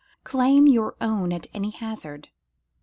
claim your own at any hazard!